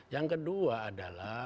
yang kedua adalah